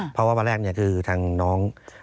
เพราะว่าวันแรกคือทางน้อง